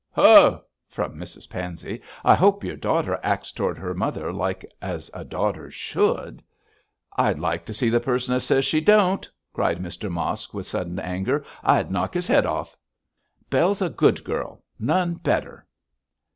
'Ho!' from Mrs Pansey. 'I hope your daughter acts towards her mother like as a daughter should.' 'I'd like to see the person as says she don't,' cried Mr Mosk, with sudden anger. 'I'd knock his head off. Bell's a good girl; none better.'